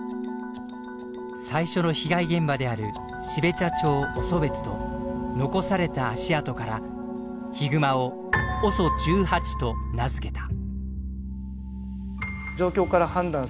最初の被害現場である標茶町オソベツと残された足跡からヒグマをＯＳＯ１８と名付けた。